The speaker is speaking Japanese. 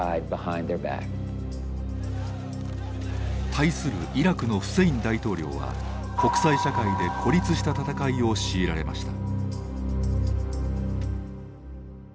対するイラクのフセイン大統領は国際社会で孤立した戦いを強いられました。